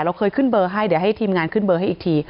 เราเคยขึ้นเบอร์ให้เดี๋ยวให้ทีมงานขึ้นเบอร์ให้อีกที